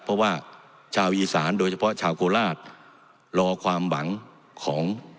เพราะว่าชาวอีสานโดยเฉพาะชาวโคราชรอความหวังของ